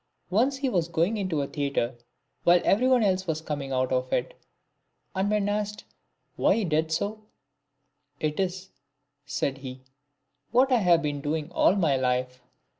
Once he was going into a theatre while every one else was coming out of it ; and when asked why he did so, " It is," said he, " what I have been doing all my life."